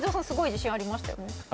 すごい自信ありましたよね。